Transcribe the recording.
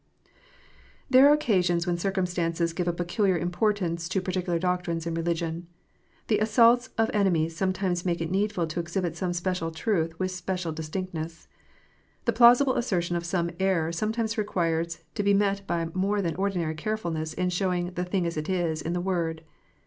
THERE arc occasions when circumstances give a peculiar im portance to particular doctrines in religion. The assaults of enemies sometimes make it needful to exhibit some special truth with special distinctness. The plausible assertion of some error sometimes requires to be met by more than ordinary carefulness in showing " the thing as it is " in the Word.